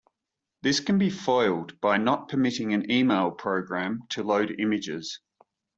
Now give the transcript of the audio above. This can be foiled by not permitting an email-program to load images.